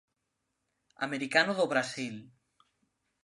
Americano do Brasil.